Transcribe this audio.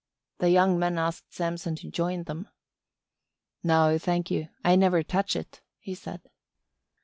The young men asked Samson to join them. "No, thank you. I never touch it," he said.